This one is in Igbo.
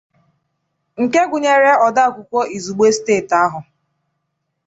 nke gụnyere ode akwụkwọ izugbe steeti ahụ